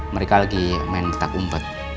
mereka lagi main petak umpet